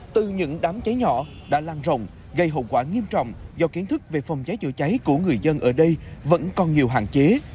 từ những đám cháy nhỏ đã lan rộng gây hậu quả nghiêm trọng do kiến thức về phòng cháy chữa cháy của người dân ở đây vẫn còn nhiều hạn chế